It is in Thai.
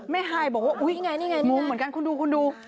แม่หายบอกว่าอุ๊ยมุมเหมือนกันคุณดู